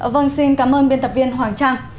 vâng xin cảm ơn biên tập viên hoàng trang